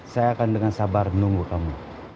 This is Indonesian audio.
saya akan dengan sabar menunggu kamu